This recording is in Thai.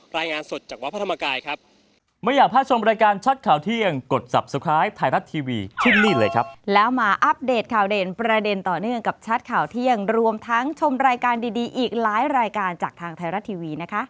รายงานสดจากวัฒนธรรมกายครับ